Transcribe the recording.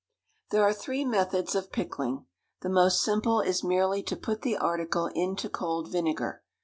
There are three methods of pickling; the most simple is merely to put the article into cold vinegar.